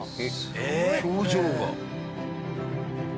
表情が。